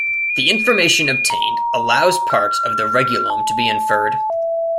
The information obtained allows parts of the regulome to be inferred.